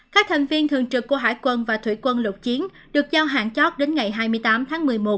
các thành viên thường trực của hải quân và thủy quân lục chiến được giao hạn chót đến ngày hai mươi tám tháng một mươi một